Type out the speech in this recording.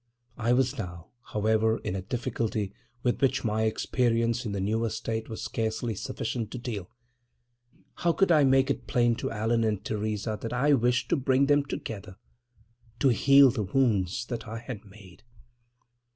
I was now, however, in a difficulty with which my experience in the newer state was scarcely sufficient to deal. How could I make it plain to Allan and Theresa that I wished to bring them together, to heal the wounds that I had made?